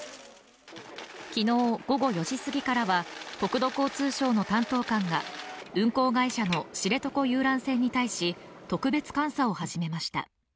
昨日、午後４時すぎからは国土交通省の担当官が運航会社の知床遊覧船に対し特別監査を始めました。